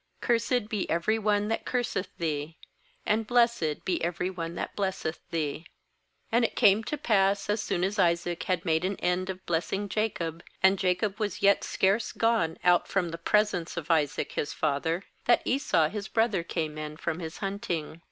Cursed be every one that curseth thee, And blessed be every one that blesseth thee. 30And it came to pass, as soon as Isaac had made an end of blessing Jacob, and Jacob was yet scarce gone out from the presence of Isaac his father, that Esau his brother came in from his hunting.